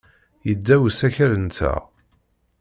Yedda usakal-nteɣ.